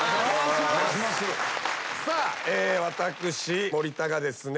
さあ私森田がですね